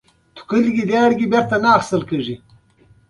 دوی غواړي د مسلمانانو عظمت او جلال ژوندی کړي.